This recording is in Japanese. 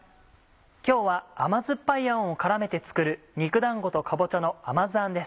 今日は甘酸っぱいあんを絡めて作る「肉だんごとかぼちゃの甘酢あん」です。